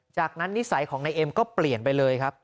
จากนั้นนิสัยของนายเอ็มก็เปลี่ยนไปเลยครับ